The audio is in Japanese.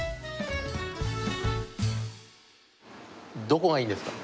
どこがいいですか？